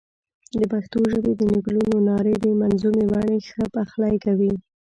د پښتو ژبې د نکلونو نارې د منظومې بڼې ښه پخلی کوي.